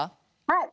はい。